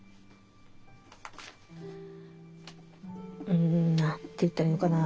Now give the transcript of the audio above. うん何て言ったらいいのかな。